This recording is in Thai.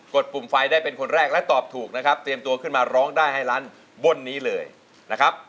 ดปุ่มไฟได้เป็นคนแรกและตอบถูกนะครับเตรียมตัวขึ้นมาร้องได้ให้ล้านบนนี้เลยนะครับ